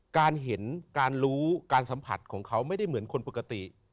การเห็นการรู้การสัมผัสของเขาไม่ได้เหมือนคนปกติ